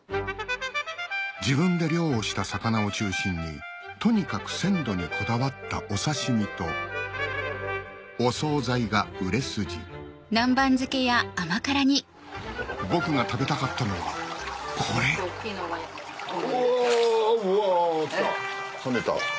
自分で漁をした魚を中心にとにかく鮮度にこだわったお刺し身とお総菜が売れ筋僕が食べたかったのはこれおうわきた。